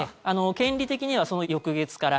権利的にはその翌月から。